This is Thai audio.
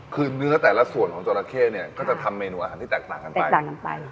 คือเนื้อแต่ละส่วนของจราเข้เนี่ยก็จะทำเมนูอาหารที่แตกต่างกันไปต่างกันไป